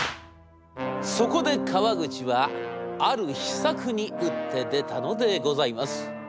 そこで川口はある秘策に打って出たのでございます。